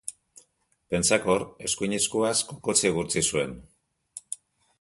Pentsakor, eskuin eskuaz kokotsa igurtzi zuen.